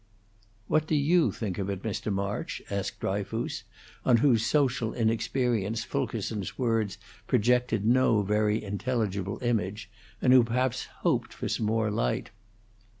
"What do you think of it, Mr. March?" asked Dryfoos, on whose social inexperience Fulkerson's words projected no very intelligible image, and who perhaps hoped for some more light.